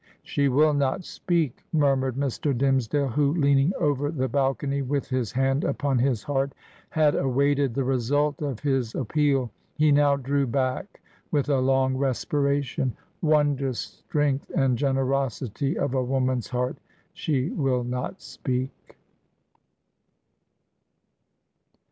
'She will not speak 1' murmured Mr. Dimmesdale, who, leaning over the balcony, with his hand upon his heart, had awaited the result of his appeal. He now drew back, with a long respiration. 'Wondrous strength and generosity of a woman's heart! She will not speak!'"